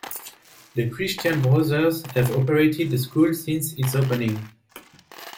The Christian Brothers have operated the school since its opening.